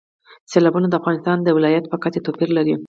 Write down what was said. سیلابونه د افغانستان د ولایاتو په کچه توپیر لري.